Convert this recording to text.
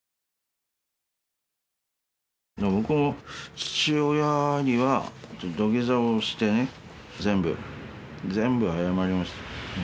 僕も父親には土下座をしてね全部全部謝りました。